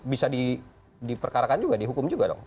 bisa diperkarakan juga dihukum juga dong